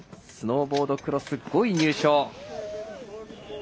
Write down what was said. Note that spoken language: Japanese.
スノーボードクロス５位入賞。